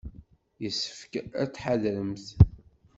Yessefk ad tḥadremt.